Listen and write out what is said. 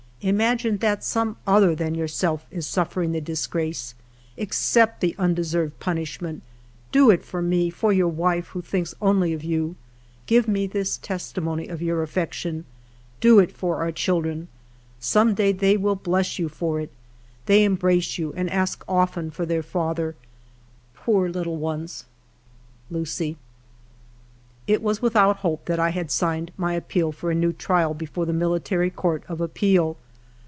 Imagine that some other than yourself is suffering the dis grace. Accept the undeserved punishment. Do it for me, for your wife, who thinks only of you. Give me this testimony of your affection. Do it for our children. Some day they will bless you for it. They embrace you and ask often for their father, — poor little ones. ... UCIE. It was without hope that I had signed my ap peal for a new trial before the Military Court of Appeal.